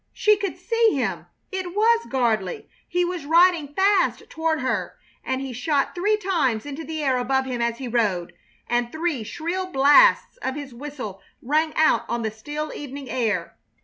She could see him. It was Gardley. He was riding fast toward her, and he shot three shots into the air above him as he rode, and three shrill blasts of his whistle rang out on the still evening air.